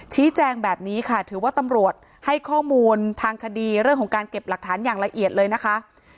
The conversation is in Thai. ชี้แจงแบบนี้ค่ะถือว่าตำรวจให้ข้อมูลทางคดีเรื่องของการเก็บหลักฐานอย่างละเอียดเลยนะคะ